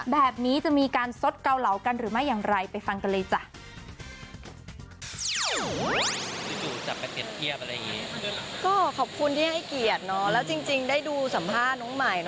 แบบนี้จะมีการสดเกาเหลากันหรือไม่อย่างไรไปฟังกันเลยจ้ะ